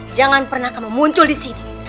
jangan pernah kamu muncul di sini